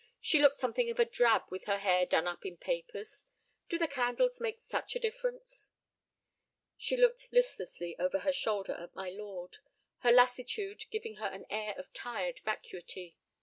She looked something of a drab with her hair done up in papers. Do the candles make such a difference?" She looked listlessly over her shoulder at my lord, her lassitude giving her an air of tired vacuity.